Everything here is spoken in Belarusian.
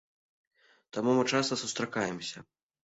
Таму мы часта сустракаемся.